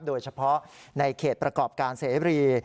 โดยเฉพาะในเขตประกอบการเสรี